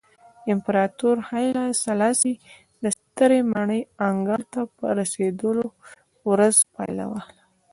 امپراتور هایله سلاسي د سترې ماڼۍ انګړ ته په رسېدو ورځ پیلوله.